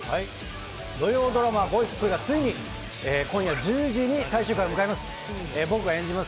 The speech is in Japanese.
土曜ドラマ『ボイス２』が今夜１０時、ついに最終回を迎えます。